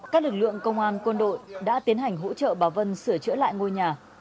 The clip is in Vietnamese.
các lực lượng công an quân đội đã tiến hành hỗ trợ bà vân sửa chữa lại ngôi nhà